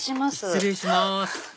失礼します